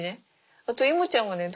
あとイモちゃんはね